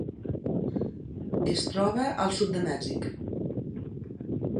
Es troba al sud de Mèxic.